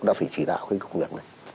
đã phải chỉ đạo cái công việc này